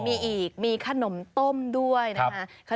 มีอีกมีขนมต้มด้วยนะคะ